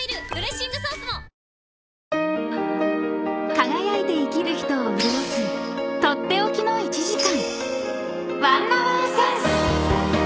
［輝いて生きる人を潤す取って置きの１時間］